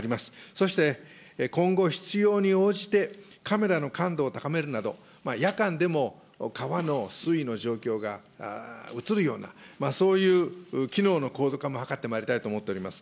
そして今後必要に応じて、カメラの感度を高めるなど、夜間でも川の水位の状況が映るような、そういう機能の高度化も図ってまいりたいと思っております。